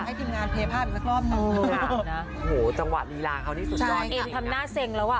ให้ทีมงานเพลย์ภาพหนึ่งสักรอบหนึ่งโหจังหวะลีราเขานี่สุดยอดใช่เอ็มทำหน้าเซ็งแล้วอ่ะ